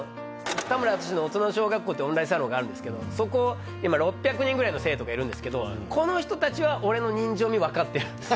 「田村淳の大人の小学校」ってオンラインサロンがあるんですけどそこ今６００人ぐらいの生徒がいるんですけどこの人たちは。